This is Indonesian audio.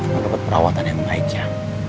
kau dapet perawatan yang baik ya